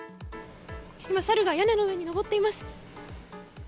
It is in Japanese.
今、サルが屋根の上に上っています。